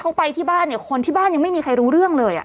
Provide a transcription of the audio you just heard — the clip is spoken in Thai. เขาไปที่บ้านเนี่ยคนที่บ้านยังไม่มีใครรู้เรื่องเลย